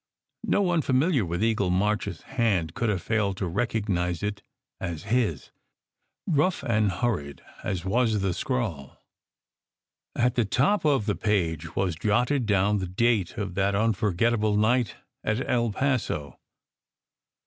No one familiar with Eagle March s hand could have failed to recognize it as his, rough and hurried as was the scrawl. At the top of the page was jotted down the date of that unforgettable night at El Paso.